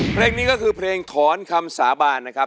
เพลงนี้ก็คือเพลงถอนคำสาบานนะครับ